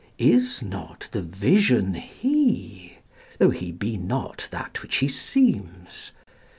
Is not the Vision He? tho' He be not that which He seems?